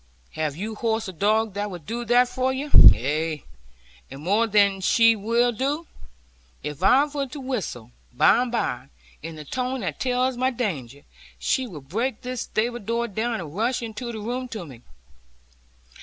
Have you horse or dog that would do that for you? Ay, and more than that she will do. If I were to whistle, by and by, in the tone that tells my danger, she would break this stable door down, and rush into the room to me.